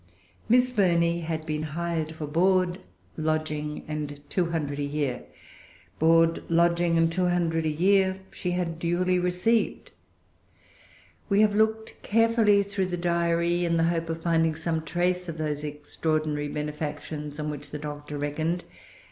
Miss Burney had been hired for board, lodging, and two hundred a year. Board, lodging, and two hundred a year, she had duly received. We have looked carefully through the Diary, in the hope of finding some trace of those extraordinary benefactions on which the Doctor reckoned.